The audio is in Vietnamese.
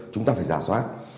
chúng ta phải giả soát